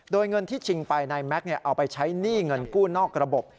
โดยเงินที่ชิงไปนายแม็กซ์เอาไปใช้หนี้เงินกู้นอกระบบ